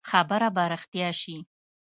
خبره به رښتيا شي.